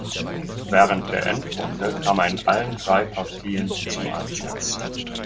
Während der Endrunde kam er in allen drei Partien zum Einsatz.